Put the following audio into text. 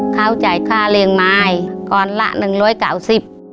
เขาจ่ายค่าเลี้ยงไม้ก้อนละ๑๙๐บาท